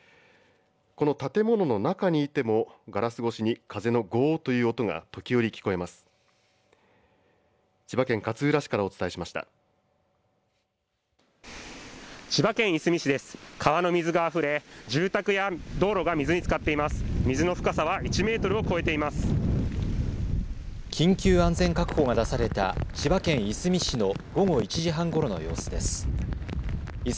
この建物の中にいてもガラス越しに風のごーっという音が時折、聞こえます。